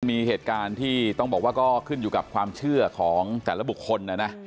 มีเหตุการณ์ที่ต้องบอกว่าก็ขึ้นอยู่กับความเชื่อของแต่ละบุคคลนะนะ